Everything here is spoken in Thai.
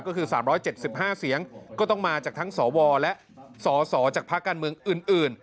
ก็คือ๓๗๕เสียงก็ต้องมาจากทั้งสวและสสจากภาคการเมืองอื่น